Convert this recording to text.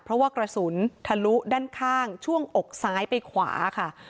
เพราะว่ากระสุนทะลุด้านข้างช่วงอกซ้ายไปขวาค่ะ